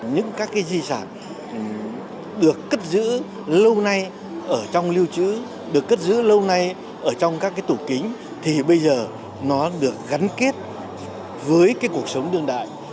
những các di sản được cất giữ lâu nay ở trong liêu chữ được cất giữ lâu nay ở trong các tủ kính thì bây giờ nó được gắn kết với cuộc sống đương đại